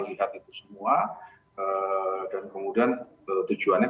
hal hal lain itu bahwa ini tidak bisa terjadi banyak kemudian